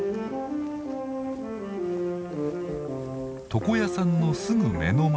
床屋さんのすぐ目の前。